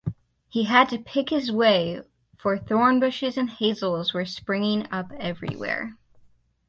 He had to pick his way, for thornbushes and hazels were springing up everywhere.